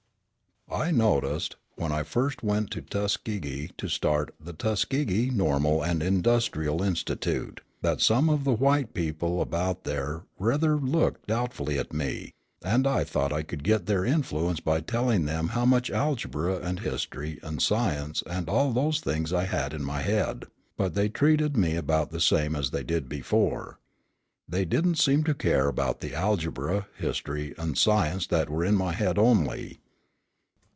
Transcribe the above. I noticed, when I first went to Tuskegee to start the Tuskegee Normal and Industrial Institute, that some of the white people about there rather looked doubtfully at me; and I thought I could get their influence by telling them how much algebra and history and science and all those things I had in my head, but they treated me about the same as they did before. They didn't seem to care about the algebra, history, and science that were in my head only.